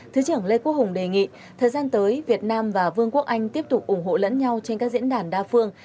thứ trưởng lê quốc hùng đề nghị thời gian tới việt nam và vương quốc anh tiếp tục ủng hộ lẫn nhau trên các diễn đàn đa phương